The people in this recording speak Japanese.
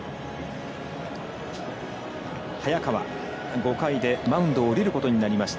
早川、５回でマウンドを降りることになりました。